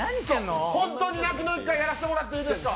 本当に泣きの一回やらせてもらっていいですか？